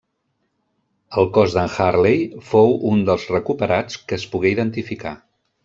El cos d'en Hartley fou un dels recuperats que es pogué identificar.